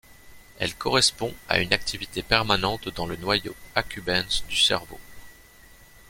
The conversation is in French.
Elle correspond à une activité permanente dans le noyau accumbens du cerveau.